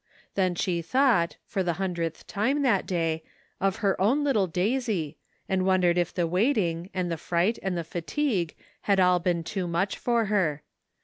Then she tho'ight, for the hundredth time that day, of her own little Daisy, and wondered if the wait ing, and the fright and the fatigue had all been too much for her.